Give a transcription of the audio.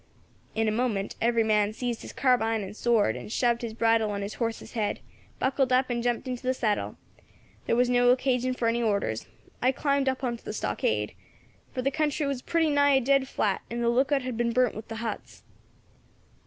"In a moment every man seized his carbine and sword, and shoved his bridle on his horse's head, buckled up, and jumped into the saddle. There was no occasion for any orders. I climbed up on to the stockade, for the country was pretty nigh a dead flat, and the lookout had been burnt with the huts.